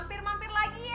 mampir mampir lagi ya